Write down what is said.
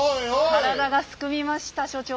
体がすくみました所長。